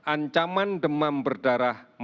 ancaman demam berdarah masih akan mencapai